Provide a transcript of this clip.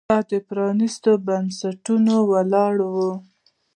دا پر پرانېستو بنسټونو ولاړ و